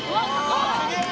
すげえ！